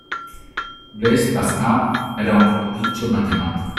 Blaise Pascal, era un prodigio matematico.